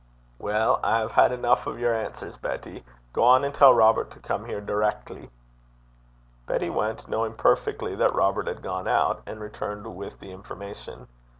'Weel, I hae had eneuch o' yer answers, Betty. Gang and tell Robert to come here direckly.' Betty went, knowing perfectly that Robert had gone out, and returned with the information.